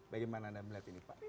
bagaimana anda melihat ini pak